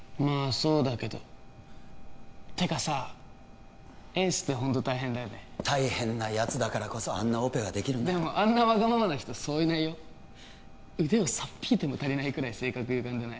そうだけどてかさエースってホント大変だよね大変なやつだからこそあんなオペができるんだでもあんなワガママな人そういないよ腕をさっ引いても足りないくらい性格ゆがんでない？